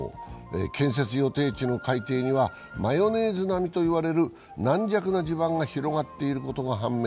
建設予定地の海底にはマヨネーズ並みといわれる軟弱な地盤が広がっていることが判明。